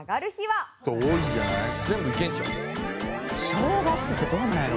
正月ってどうなんやろ？